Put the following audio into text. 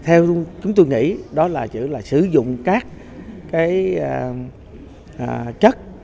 theo chúng tôi nghĩ đó là sử dụng các chất